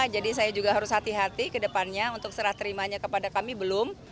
jadi saya juga harus hati hati ke depannya untuk serah terimanya kepada kami belum